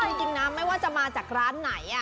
เอาจริงนะไม่ว่าจะมาจากร้านไหน